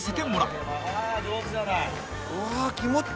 うわ。